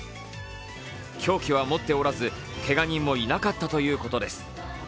凶器は持っておらず、けが人もいなかったということです。